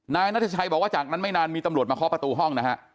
นายนัทชัยบอกว่าจากนั้นไม่นานมีตำรวจมาเคาะประตูห้องนะฮะ